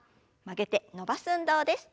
曲げて伸ばす運動です。